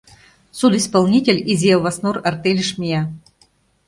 Судисполнитель Изи Оваснур артельыш мия.